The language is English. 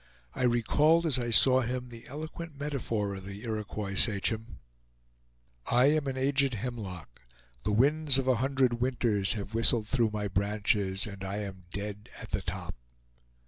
I recalled, as I saw him, the eloquent metaphor of the Iroquois sachem: "I am an aged hemlock; the winds of a hundred winters have whistled through my branches, and I am dead at the top!"